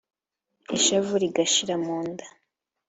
Ishavu rigashira mu nda